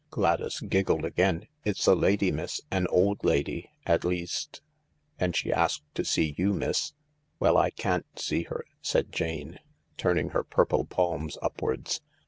* Gladys giggled again. " It's a lady, miss — an old lady— at least ... And she asked to see you, miss." " Well, I can't see her," said Jane, turning her purple palms upwards.